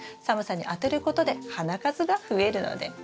寒さに当てることで花数が増えるので。